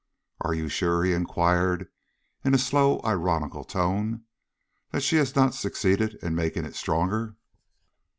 "Are you sure," he inquired in a slow, ironical tone, "that she has not succeeded in making it stronger?"